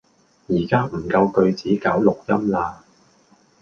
而家唔夠句子搞錄音喇